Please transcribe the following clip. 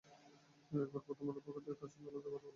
এরপর প্রথম আলোর পক্ষ থেকে তাঁর সঙ্গে আলাদা কথা বলা হয়।